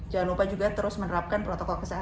jangan lupa juga terus menerapkan protokol kesehatan